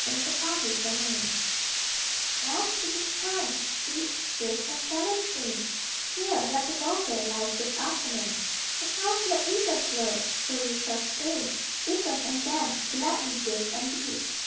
ONLY A MATTER OF TIME Down slipping Time, sweet, swift, and shallow stream, Here, like a boulder, lies this afternoon Across your eager flow. So you shall stay, Deepened and dammed, to let me breathe and be.